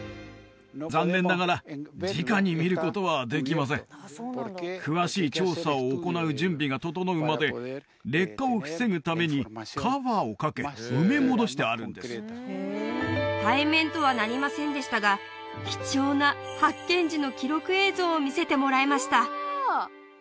残念ながらじかに見ることはできません劣化を防ぐためにカバーをかけ埋め戻してあるんです対面とはなりませんでしたが貴重な発見時の記録映像を見せてもらえました